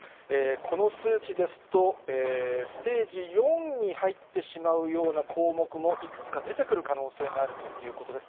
この数値ですと、ステージ４に入ってしまうような項目もいくつか出てくる可能性があるということです。